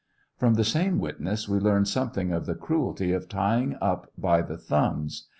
From the same witness we learn something of the cruelty of tying up by the thumbs.